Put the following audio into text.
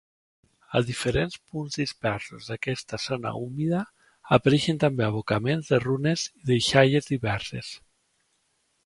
A diferents punts dispersos d'aquesta zona humida apareixen també abocaments de runes i deixalles diverses.